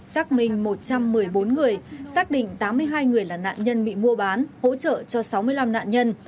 xác minh một trăm một mươi bốn người xác định tám mươi hai người là nạn nhân bị mua bán hỗ trợ cho sáu mươi năm nạn nhân